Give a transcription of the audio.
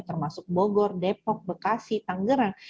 termasuk bogor depok bekasi tanggerang